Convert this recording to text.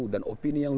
dan opini yang luar